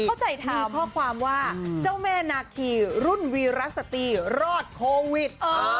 มีข้อความว่าเจ้าแม่นาขี้รุ่นวีรัษตีรอดโควิด